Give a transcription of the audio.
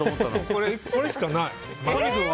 これ、これしかない。